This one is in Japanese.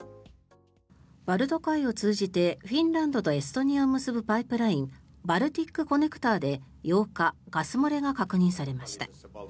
バルト海を通じてフィンランドとエストニアを結ぶパイプラインバルティックコネクターで８日ガス漏れが確認されました。